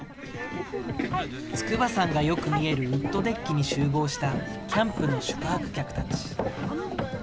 筑波山がよく見えるウッドデッキに集合したキャンプの宿泊客たち。